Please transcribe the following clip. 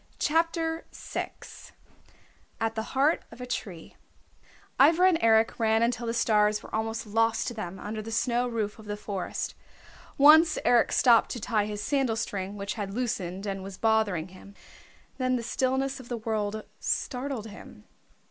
CHAPTER VI AT THE HEART OF A TREE Ivra and Eric ran until the stars were almost lost to them under the snow roof of the forest. Once Eric stopped to tie his sandal string which had loosened and was bothering him. Then the stillness of the world startled him.